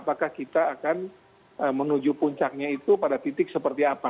apakah kita akan menuju puncaknya itu pada titik seperti apa